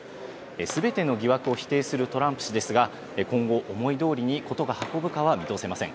すべての疑惑を否定するトランプ氏ですが、今後、思い通りに事が運ぶかは見通せません。